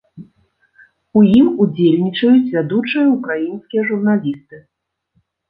У ім удзельнічаюць вядучыя ўкраінскія журналісты.